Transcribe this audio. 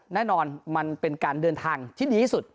แน่นอนมันเป็นการเดินทางที่ดีที่สุด